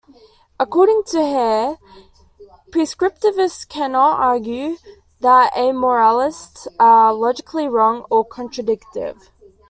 According to Hare, prescriptivists cannot argue that amoralists are logically wrong or contradictive.